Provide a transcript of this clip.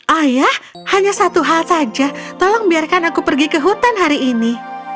ayah hanya satu hal saja tolong biarkan aku pergi ke hutan hari ini